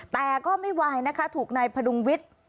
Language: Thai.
แต่ก็ไม่ไหวนะคะถูกนายพดุงวิทย์